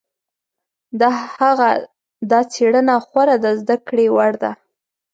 د هغه دا څېړنه خورا د زده کړې وړ ده.